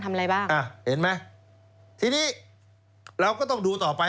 อะไรบ้างอ่ะเห็นไหมทีนี้เราก็ต้องดูต่อไป